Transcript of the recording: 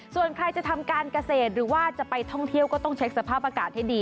ส่วนใครจะทำการเกษตรหรือว่าจะไปท่องเที่ยวก็ต้องเช็คสภาพอากาศให้ดี